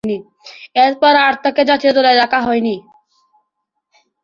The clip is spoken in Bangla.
এরপর, আর তাকে জাতীয় দলে রাখা হয়নি।